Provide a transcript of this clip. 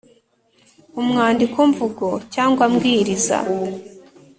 umwandiko mvugo cyangwa mbwiriza